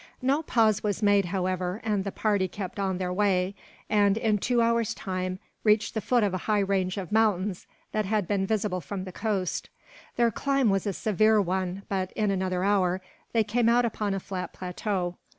No pause was made, however, and the party kept on their way and, in two hours' time, reached the foot of a high range of mountains that had been visible from the coast. The climb was a severe one but, in another hour, they came out upon a flat plateau.